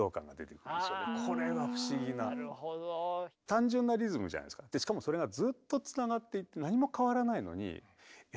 単純なリズムじゃないですかでしかもそれがずっとつながっていて何も変わらないのに「うわっ！」とか「ううわあ！」とか。